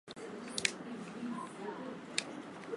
ni Bunge na Big Ben Westminster Abbey